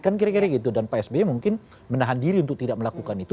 kan kira kira gitu dan pak sby mungkin menahan diri untuk tidak melakukan itu